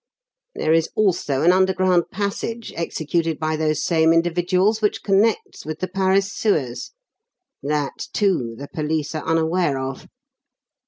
There is also an underground passage executed by those same individuals which connects with the Paris sewers. That, too, the police are unaware of.